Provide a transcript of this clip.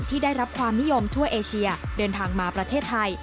ได้รับความนิยมทั่วเอเชียเดินทางมาประเทศไทย